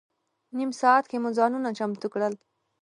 نیم ساعت کې مو ځانونه چمتو کړل.